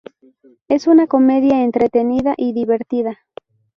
Es una comedia entretenida y divertida.